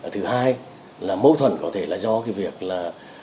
thứ hai là mâu thuẫn có thể là do cái việc là